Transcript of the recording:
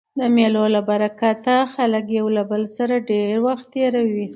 د مېلو له برکته خلک له یو بل سره ډېر وخت تېروي.